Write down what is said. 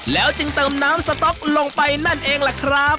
แล้วจึงเติมน้ำสต๊อกลงไปนั่นเองล่ะครับ